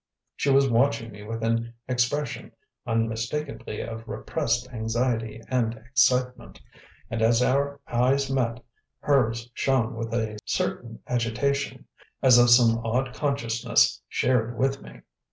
She was watching me with an expression unmistakably of repressed anxiety and excitement, and as our eyes met, hers shone with a certain agitation, as of some odd consciousness shared with me.